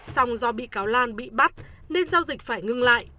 xong do bị cáo lan bị bắt nên giao dịch phải ngưng lại